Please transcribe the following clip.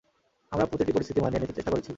আমরা প্রতিটি পরিস্থিতি মানিয়ে নিতে চেষ্টা করেছি।